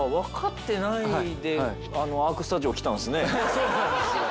そうなんですよ。